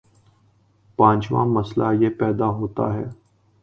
پانچواں مسئلہ یہ پیدا ہوتا ہے